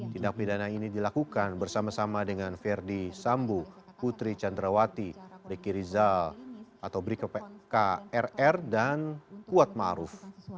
tindak pidana ini dilakukan bersama sama dengan verdi sambu putri chandrawati dekirizal atau bkrr dan kuatmaruf